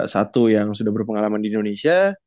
satu yang sudah berpengalaman di indonesia